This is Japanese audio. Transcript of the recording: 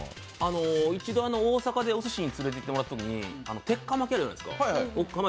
一度、大阪でおすしに連れていってもらったときに鉄火巻きってあるじゃないですか。